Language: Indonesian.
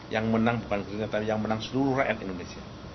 yang menang bukan kegiatan yang menang seluruh rakyat indonesia